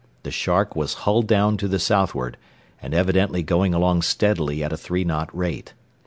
The Shark was hull down to the southward and evidently going along steadily at a three knot rate.